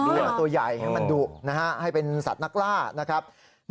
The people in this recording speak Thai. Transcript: ดุให้มันตัวใหญ่ให้มันดุให้เป็นสัตว์นักล่านะครับ